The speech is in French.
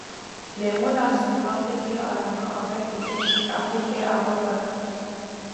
Les molas sont fabriqués à la main avec une technique appliquée à revers.